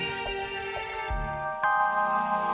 apa yang akan terjadi